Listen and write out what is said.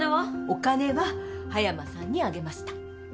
お金は葉山さんにあげました。